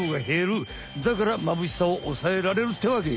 だからまぶしさを抑えられるってわけ。